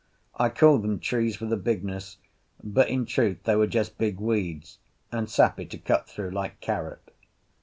I call them trees for the bigness, but in truth they were just big weeds, and sappy to cut through like carrot.